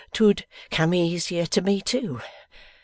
''Twould come easier to me too.